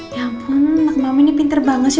ya ampun anak mama ini pinter banget ya